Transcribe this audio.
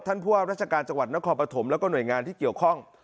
ผู้ว่าราชการจังหวัดนครปฐมแล้วก็หน่วยงานที่เกี่ยวข้อง